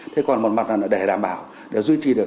thế còn một mặt là để đảm bảo để duy trì được